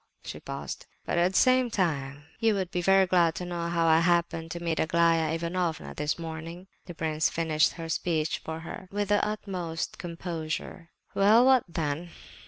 She paused. "But at the same time you would be very glad to know how I happened to meet Aglaya Ivanovna this morning?" The prince finished her speech for her with the utmost composure. "Well, what then?